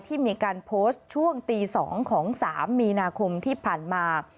ที่มีการโพสต์ช่วงตี๒ของ๓มีนาคมที่ผ่านมา